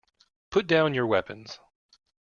Put down your weapons.